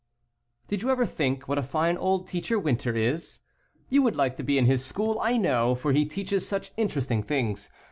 Did you ever think what a fine old teacher Winter is? You would like to be in his school, I know, for he teaches such interesting things.